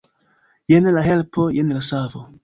Jen la helpo, jen la savo!